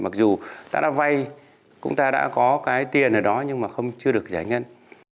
mặc dù ta đã vay cũng ta đã có cái tiền ở đó nhưng mà chưa được giải ngân